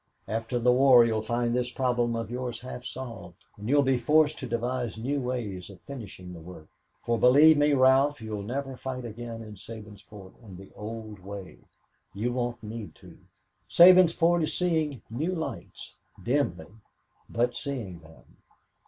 After the war you'll find this problem of yours half solved, and you will be forced to devise new ways of finishing the work, for believe me, Ralph, you'll never fight again in Sabinsport in the old way you won't need to Sabinsport is seeing new lights, dimly, but seeing them."